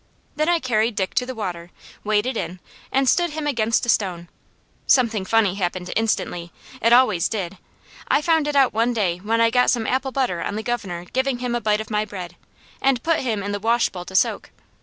Then I carried Dick to the water, waded in and stood him against a stone. Something funny happened instantly. It always did. I found it out one day when I got some apple butter on the governor giving him a bite of my bread, and put him in the wash bowl to soak.